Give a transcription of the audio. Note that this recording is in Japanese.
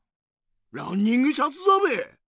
ランニングシャツだべ！